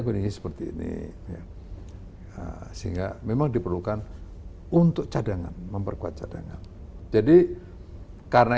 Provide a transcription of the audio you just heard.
kondisi seperti ini ya sehingga memang diperlukan untuk cadangan memperkuat cadangan jadi karena